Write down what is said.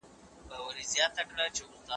جهاني تا چي به یې شپې په کیسو سپینې کړلې